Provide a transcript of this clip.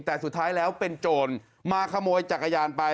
แต่สุดท้ายแล้วเป็นโจรมาขโมยจักรยานไป